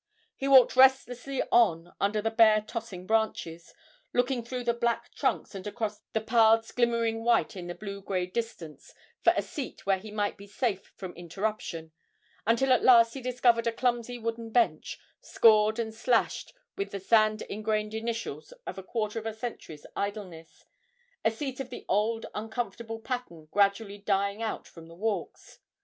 He walked restlessly on under the bare tossing branches, looking through the black trunks and across the paths glimmering white in the blue grey distance for a seat where he might be safe from interruption, until at last he discovered a clumsy wooden bench, scored and slashed with the sand ingrained initials of a quarter of a century's idleness, a seat of the old uncomfortable pattern gradually dying out from the walks.